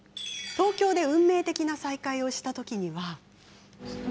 東京で運命的な再会をしたときには。